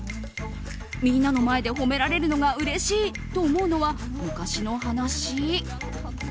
みんなの前で褒められるのがうれしいと思うのは昔の話？